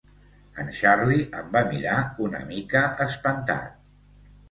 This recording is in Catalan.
En Charley em va mirar una mica espantat.